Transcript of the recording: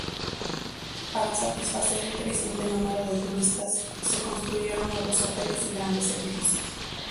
Para satisfacer el creciente número de turistas, se construyeron nuevos hoteles y grandes edificios.